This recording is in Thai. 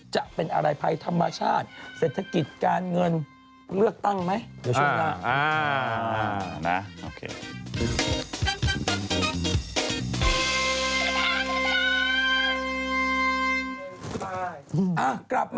จะเป็นอะไรภัยธรรมชาติเศรษฐกิจการเงินเลือกตั้งไหม